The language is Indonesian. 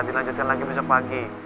dilanjutkan lagi besok pagi